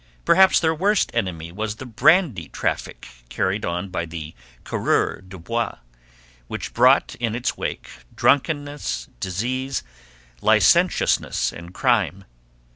Perhaps their worst enemy was the brandy traffic carried on by the coureurs de bois, which brought in its wake drunkenness, disease, licentiousness, and crime.